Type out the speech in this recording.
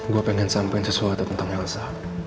gue pengen sampein sesuatu tentang yalsa